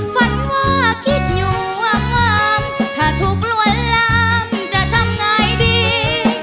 ฝนว่าคิดอยู่อับม้ำถ้าทุกวันล้างจะทำไงดี